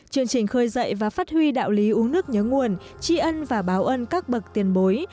chương trình khơi dậy và phát huy đạo lý uống nước nhớ nguồn tri ân và báo ân các bậc tiền bối